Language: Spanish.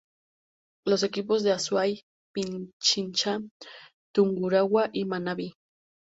Los Equipos de Azuay, Pichincha, Tungurahua y Manabí.